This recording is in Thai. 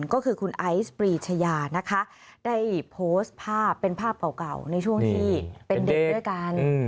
ก็คือคุณไอซ์ปรีชยานะคะได้โพสต์ภาพเป็นภาพเก่าในช่วงที่เป็นเด็กด้วยกัน